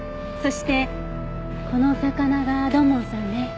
そしてこの魚が土門さんね。